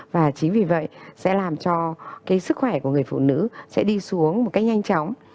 và chính vì vậy sẽ làm cho cái sức khỏe của người phụ nữ sẽ đi xuống một cách nhanh chóng